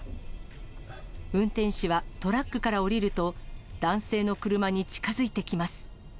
運転手はトラックから降りると、男性の車に近づいてきます。